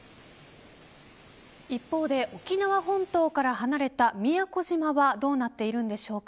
一方で沖縄本島から離れた宮古島はどうなっているのでしょうか。